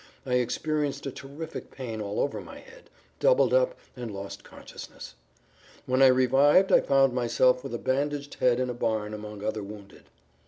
I experienced a terrific pain all over my head, doubled up, and lost consciousness. When I revived I found myself with a bandaged head in a barn among other wounded.